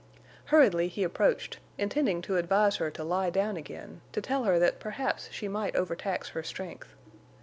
Hurriedly he approached, intending to advise her to lie down again, to tell her that perhaps she might overtax her strength.